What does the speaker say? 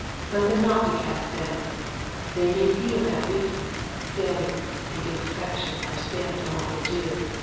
Let them not be cast down. They may feel that weakness, failure, and imperfection are stamped on all they do.